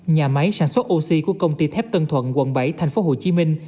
nhà máy sản xuất oxy của công ty thép tân thuận quận bảy thành phố hồ chí minh